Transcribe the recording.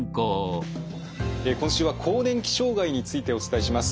今週は更年期障害についてお伝えします。